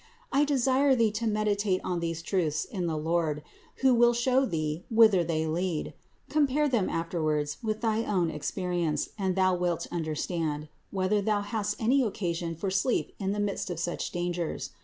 I desire thee to meditate on these truths in the Lord, who will show thee whither they lead; compare them afterwards with thy own ex perience and thou wilt understand, whether thou hast any occasion for sleep in the midst for such dangers.